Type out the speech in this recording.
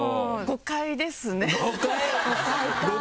誤解ですか？